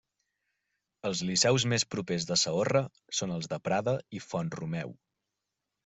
Els liceus més propers de Saorra són els de Prada i Font-romeu.